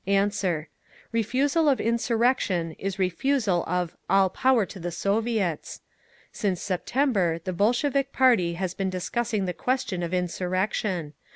"Answer: Refusal of insurrection is refusal of 'All Power to the Soviets.' Since September the Bolshevik party has been discussing the question of insurrection.